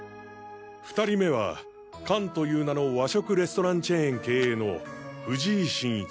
２人目は「勘」という名の和食レストランチェーン経営の藤井真一。